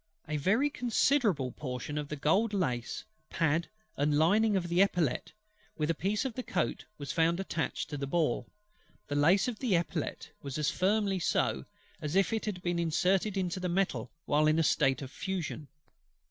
A very considerable portion of the gold lace, pad, and lining of the epaulette, with a piece of the coat, was found attached to the ball: the lace of the epaulette was as firmly so, as if it had been inserted into the metal while in a state of fusion.